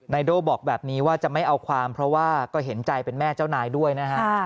โด้บอกแบบนี้ว่าจะไม่เอาความเพราะว่าก็เห็นใจเป็นแม่เจ้านายด้วยนะฮะ